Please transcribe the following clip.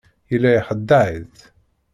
Yella ixeddeɛ-itt.